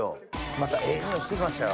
またええ匂いしてきましたよ